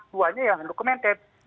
dua nya yang undocumented